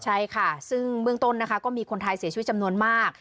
ใช่ค่ะซึ่งเบื้องต้นนะคะก็มีคนไทยเสียชีวิตจำนวนมาก